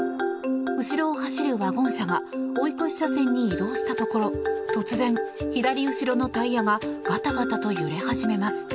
後ろを走るワゴン車が追い越し車線に移動したところ突然、左後ろのタイヤがガタガタと揺れ始めます。